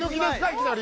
いきなり。